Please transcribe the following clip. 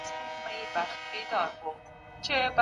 هغه څېړنه د سياست په اړه نوي ليدلوري لري.